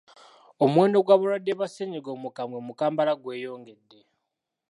Omuwendo gw'abalwadde ba ssennyiga omukambwe mu Kampala gweyongedde.